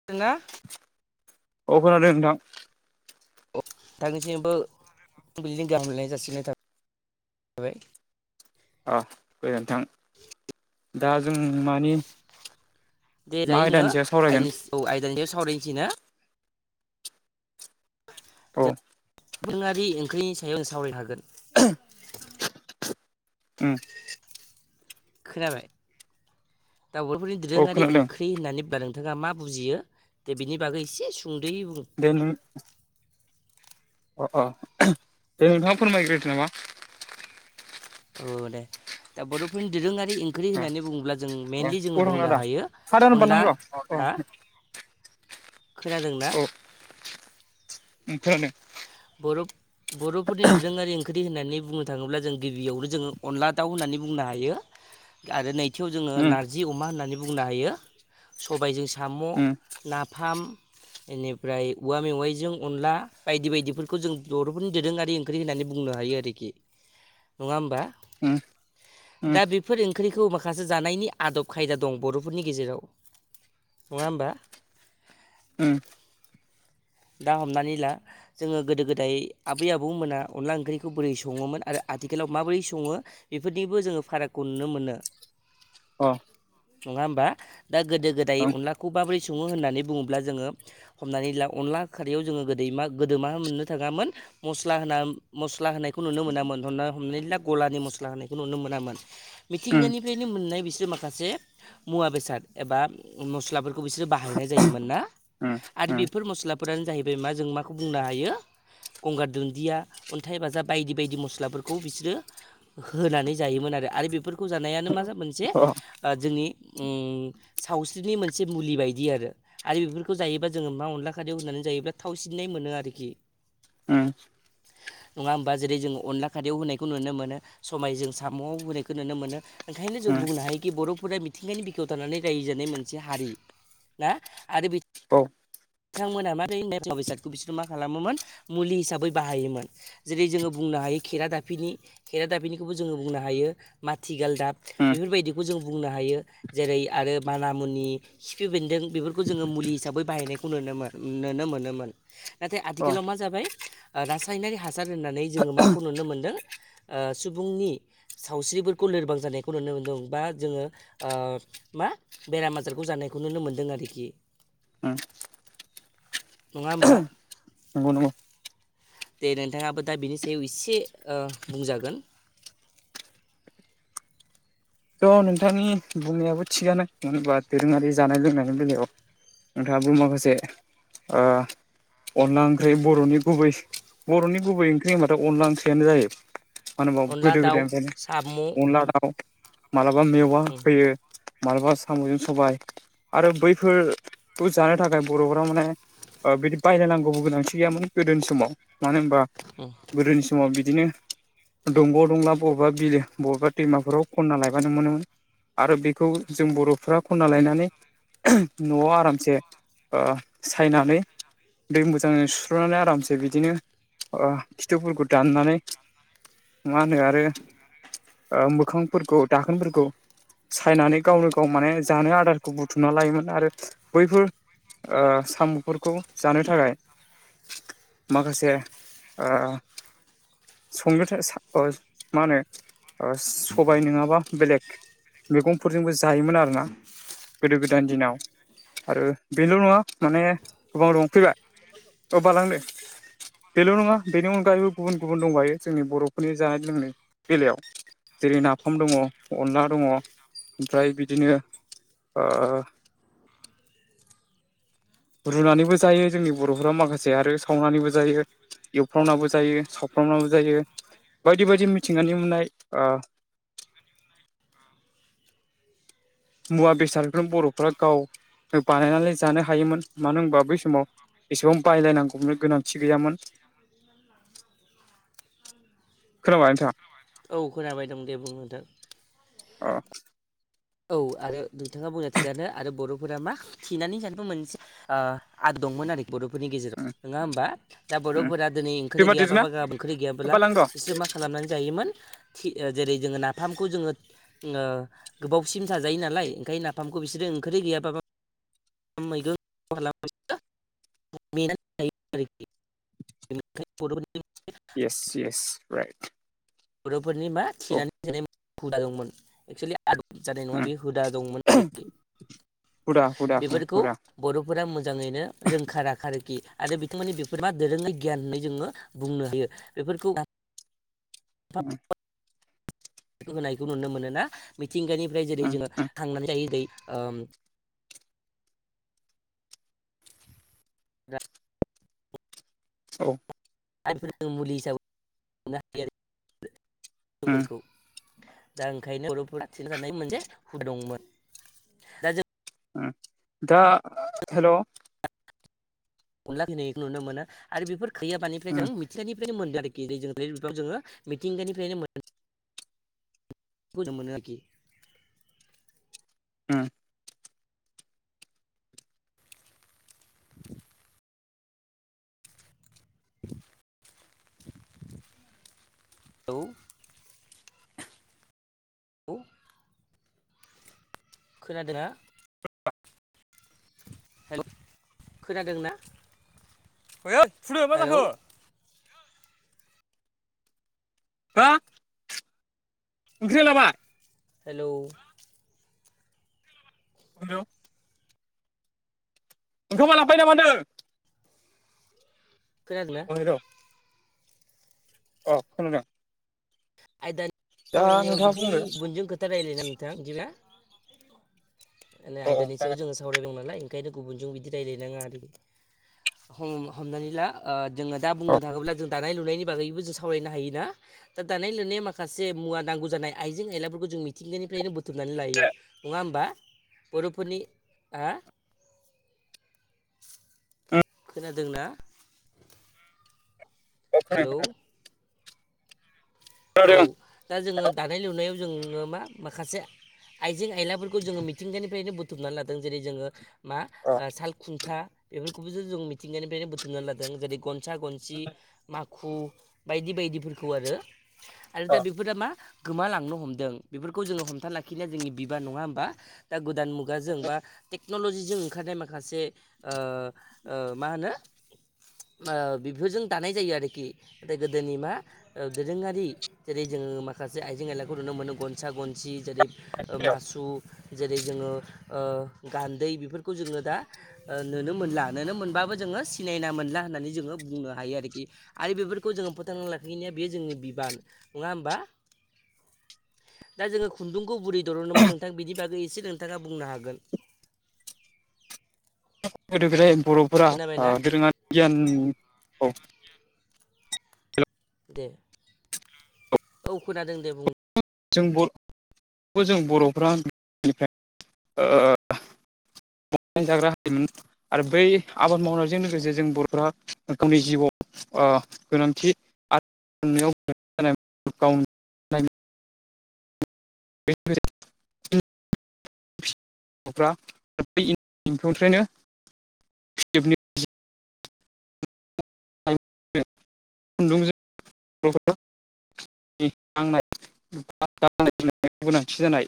[unintelligible] औ खोनादों नोंथां। औ थांनिसिमबो बिल्डं गाहामलायनाय जासिनाय [unintelligible] थाजाबाय। अ गोजोन्थों दा जों मानि? दे मा दायो जोङो आयदानि सायाव सावरायगोन? आयदानि औ आयदानि सायाव सावरायनोसै ना? जों औ। दोरोङारि ओंख्रिनि सायाव सावराय हागोन। उम खोनाबाय दावउब'फोरनि औ दोरोङारि खोनादों ओंख्रि होननानै [unintelligible] नोंथाङा मा बुजियो दे बिनि बागै एसे सुंदयै बुं। दे नों अ अ दे नोंथाङा फोरमायग्रोदो नामा? औ दे दा बर'फोरनि दोरोङा रि ओंख्रि अ होननानै बुङोब्ला जों अ मेनलि जोङो अर हांना बुंनो दा हायो हादान बारलां अनला र' अ औ हा खोनादों ना? ओं खोनादों बर' बर'फोरनि दोरोङारि ओंख्रि होननानै बुंनो थाङोब्ला जों गिबियावनो जोङो अनला दाउ होननानै बुंनो हायो [inaudible] आरो नैथियाव जोङो उम नारजि अमा होननानै बुंनो हायो सबायजों साम' उम नाफाम बेनिफ्राय औवा मेवाइजों अनला बायदि बायदिफोर बेखौ जों बर'फोरनि दोरोङारि ओंख्रि होननानै बुंनो हायो आरोखि। नङा होमबा? उम दा बेफोर ओंख्रिखौ माखासे जानायनि आदब खायदा दं। बर'फोरनि गेजेराव नङा होमबा ओम दा हमनानै ला जोंङो गोदो गोदाय आबै आबौमोना अनला ओंख्रिखौ बोरै सङोमोन। आरो आथिखालाव माबोरै संङो बेफोरनिबो जोंङो फारागखौ नुनो मोनो। अ नङा होमबा दा गोदो गोदाय उम अनला खौ माबोरै संङो होननानै बुङोब्ला जोंङो हमनानै ला अनला खारियाव जोंङो गोदैमा गोदो मा मोननो थाङामोन मस्ला होना मस्ला होनायखौ नुनो मोनामोन। हना हमनानै ला गलानि मस्ला होनायखौ नुनो मोनामोन। [inaudible] मिथिंगानिफ्रायनो मोननाय बिसोर माखासे मुवा बेसाद एबा मस्लाफोरखौ बिसोरो बाहायनाय जायोमोन ना आरो उम अ उम बेफोर मस्ला फोरानो जाहैबाय मा जों माखौ बुंनो हायो गंगार दुन्दिया अन्थाइ बाजा बायदि बायदि मस्लाफोरखौ बिसोरो होनानै जायोमोन आरो आरो बेफोरखौ जानायानो मा मोनसे औ जोंनि उम सावस्रिनि मोनसे मुलि बायदि आरो आरो बेफोरखौ जायोबा जोंङो मा अनला खारैयाव होननानै जायोब्ला थाव सिननाय मोनो आरोखि [inaudible] नङा होमबा जेरै जोंङो अनला खारियाव होनायखौ नुनो मोनो सबाय जों साम'आव होनायखौ नुनो मोनो। ओंखायनो जों बुंनो हायोखि बर'फोरा मिथिंगानि बिखायाव थानानै रायजोजानाय मोनसे हारि दा आरो बि बिथांमोनहा मारै मुवा बेसादखौ बिसोरो मा खालामोमोन मुलि हिसाबै बाहायोमोन। जेरै जोंङो बुंनो हायो। खेरा दाफिनि खेरा दाफिनिखौबो जोंङो बुंनो हायो माथिगाल दाब। उम बेफोरबायदिखौ जों बुंनो हायो। जेरै आरो माना मुनि खिफि बेन्दों बेफोरखौ जोंङो मुलि हिसाबै बाहायनाय खौ नुनो नुनोमोनोमोन। नाथाय अ आथिखालाव मा जाबाय रासायनारि हासार होननानै जोंङो माखौ नुनो मोनदों सुबुंनि सावस्रिफोरखौ लोरबां जानायखौ नुनो मोनदों। बा जोंङो ओ मा बेराम आजारखौ जानायखौ नुनो मोन्दों आरोखि। उम नङा होमबा [unintelligible] दे नोंथाङाबो दा बिनि सायाव एसे बुंजागोन। थ' नोंथांनि बुंनायाबो थिगानोङानो होनबा दोरोङारि जानाय लोंनायनि बेलायाव नोंथाङाबो माखासे ओ अनला ओंख्रि बर'नि गुबै बर'नि गुबै ओंख्रि होनबथा अनला ओंख्रियानो जायो। मा होमबा अनला गोदो दाउ गोदाय साम' ओफ्रायनो उम अनला दाउ माबलाबा मेवा होयो माबलाबा साम'जों सबाय। आरो बैफोरखौ जानो थाखाय बर'फ्रा माने बिदि बायलायनांगौबो गोनांथि गैयामोन गोदोनि समाव मानो होनबा अ गोदोनि समाव बिदिनो दंग'दंला बबेबा बिलो बबेबा दैमाफोराव खनना लाय बानो मोनोमोन। आरो बेखौ जों बर'फ्रा खना लायनानै न'आव आरामसे सायनानै दै मोजांजों सुस्रनानै आरामसे बिदिनो अ खिथुफोरखौ दाननानै मा होनो आरो मोखांफोरखौ दाखोनफोरखौ सायनानै गावनो गाव माने जानो आदारखौ बुथुमना लायोमोन। आरो बैफोर साम'फोरखौ जानो थाखाय। माखासे ओ संनो [unintelligible] मा होनो सबाय नङाबा बेलेग मैगंफोरजोंबो जायोमोन आरोना गोदो गोदायनि दिनाव आरो बेल' नङा माने गोबां दं फैबाय [unintelligible] बेल' नङा बेनि अनगायैबो गुबुन गुबुन दंबायो जोंनि बर'फोरनि जानाय लोंनायनि बेलायाव जेरै नाफाम दङ अनला दङ ओमफ्राय बिदिनो रुनानैबो जायो जोंनि बर'फोरा माखासे आरो सावनानैबो जायो एवफ्रावनाबो जायो सावफ्रावनाबो जायो बायदि बायदि मिथिंगानि मोननाय मुवा बेसादफोरनो बर'फ्रा गाव बानायनानै जानो हायोमोन मानो होनबा बै समाव एसेबां बायलायनांगौनो गोनांथि गैयामोन खोनाबाय नोंथाङा औ खोनाबाय दं दे बुं नोथां अह औ आरो नोंथाङा बुंनाया थिगानो आरो बर'फोरा मा थिनानै जानो मोनसे ओ आद ंमोन आरो बर'फोरनि गेजेराव उम नङा होमबा दा उम बर'फोरा दिनै ओंख्रि बिमा देरोना गैयाबाबो गाबोन ओंख्रि गैयाब्ला बालां दं बिसोर माख खालामनानै जायोमोन थि ओ जेरै जोङो नाफामखौ जोङो गोबावसिम जाजायो नालाय ओंखायनो नाफामखौ इसोर ओंखरै गैयाबाबो मैगं [unintelligible] मेनानै जायो आरोखि [inaudible] इयेस इयेस राइट बर'फोरनि मा औ थिनानै जानाय हुदा दंमोन एक्सुलि आदब जानाय नङा उम बे हुदा दंमोन आरोखि हुदा हुदा उम बेफोरखौ हुदा बर'फोरा मोजाङैनो रोंखा राखा आरोखि आरो बिथांमोननि बेफोर मा दोरोङै गियान होननाय जोङो बुंनो हायो बेफोरखौ ओम होनायखौ नुनो मोनोना मिथिंगानिफ्राय जेरै उम जोङो उम थांनानै थायो जेरै ओम औ [inaudible] दा ओंखायनो उम बर'फोरा थिना जानाय मोनसे हुदा दंमोन दा जों ओम दा हेल' [unintelligible] नुनो मोनो आरो बेफोर [unintelligible] जों मि उम मिथिंगानिफ्रायनो मोनदों आरोखि बे जोङो [unintelligible] मिथिंगानिफ्रायनो मोन [unintelligible] ओम उ औ औ खोनादोना [unintelligible] हेलौ खोनादों ना ओइ ओइ थुदो मा जाखो हा ओंख्रिया लाबा हेलौ हेलौ ओंखामा लांफायो नामा होनदों खोनादोंना [unintelligible] अ खोनादों? आयदानि दा सावरायनायाव नोंथाङा बिदि बुंदो बुनजों खोथा रायलायना नोंथाङा बिदिबा माने अ आयदानि जागोन सायाव दे जोङो सावरायदों नालाय ओंखायनो गुबुनजों बिदि रायज्लायनाङा आरोखि। [inaudible] हम-हमनानै ला जोङो दा अ उम अ बुंनो थाङोब्ला जों दानाय लुनायनि बागैबो जों सावरायनो हायो ना? दा दानाय लुनाय माखासे मुवा नांगौ जानाय आइजें आयलाफोरखौ जों मिथिंगानिफ्रायनो बोथोर बुथुमनानै लायो नङा होमबा बर'फोरनि आ खोनादोंना? हेलौ? औ खोनादों दा जोङो दानाय लुनायाव जोङो मा माखासे आइजें आयलाफोरखौ जोङो मिथिंगानिफ्रायनो बुथुमनानै लादों जेरै जोङो मा खोनादों अ साल खुन्था बेफोरखौबो जो जों मिथिंगानिफ्रायनो बुथुमना लादों जेरै ग खथा गनसि माखु बायदि बायदिफोरखौ आरो आरो अ दा बेफोरा मा गोमालांनो हमदों बेफोरखौ जोङो हमथान लाखिनाया जोंनि बिबा नङा होमबा दा गोदान मुग खुगाजों बा टेक्न'ल'जिजों ओंखारनाय माखासे ओ-ओ मा होनो ओ बेफोरजों दानाय जायो आरोखि नाथाय गोदोनि मा ओ दोरोङारि जेरै जोङो माखासे आइजें आयलाखौ नुनो मोनो गनसा गनसि जेरै ओ बेयाव मासु जेरै जोङो ओ गान्दै बेफोरखौ जोङो दा ओ नुनो मोनला नुनो मोनबाबो जोङो सिनायना मोनला होननानै जोङो बुंनो हायो आरोखि। आरो बेफोरखौ जोङो फोथांना लाखिनाया बेयो जोंनि बिबान नङा होमबा। दा जोङो खुन्दुंखौ बुरै दर'नोमोन नोंथां बिदि बागै एसे नोंथाङा बुंनो हागोन। गोदो गोदाय बर'फोरा खोनाबायना ओ दोरोङारि गियान दे औ खोनादों दे बुं। जों बर जों बर'फ्रा निफ्राय ओ जाग्रा हायोमोन आरो बै आबाद मावनायजों लोगोसे जों बर'फोरा गावनि जिउआव गोनांथि आरो गाव [unintelligible] बे ग'फ्रा बफनिफ्रायनो खुन्दुं [unintelligible] [inaudible] [unintelligible] [unintelligible] गोनांथि जानाय